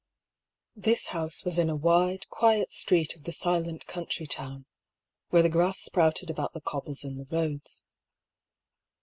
This house was in a wide, quiet street of the silent country town, where the grass sprouted about the cobbles in the roads.